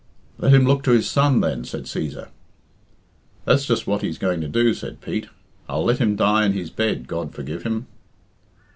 "Let him look to his son then," said Cæsar". "That's just what he's going to do," said Pete. "I'll let him die in his bed, God forgive him."